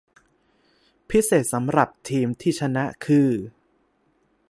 พิเศษสำหรับทีมที่ชนะคือ